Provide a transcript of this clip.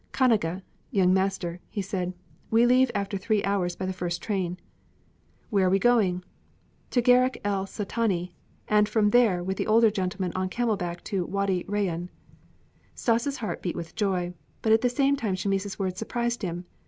"Khanage (young master)," he said, "we leave after three hours by the first train." "Where are we going?" "To Gharak el Sultani, and from there with the older gentlemen on camel back to Wâdi Rayân." Stas' heart beat with joy, but at the same time Chamis' words surprised him.